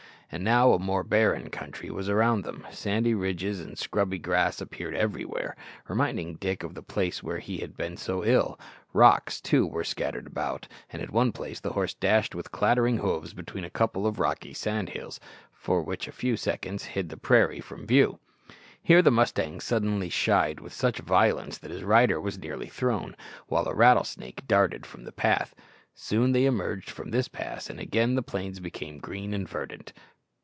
And now a more barren country was around them. Sandy ridges and scrubby grass appeared everywhere, reminding Dick of the place where he had been so ill. Rocks, too, were scattered about, and at one place the horse dashed with clattering hoofs between a couple of rocky sand hills which, for a few seconds, hid the prairie from view. Here the mustang suddenly shied with such violence that his rider was nearly thrown, while a rattlesnake darted from the path. Soon they emerged from this pass, and again the plains became green and verdant.